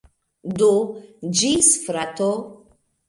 Do, ĝis frato!